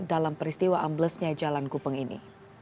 dalam peristiwa amblasnya jalan gubeng ini